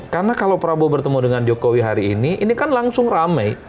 karena kalau prabowo bertemu dengan jokowi hari ini ini kan langsung ramai